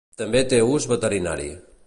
També té ús veterinari.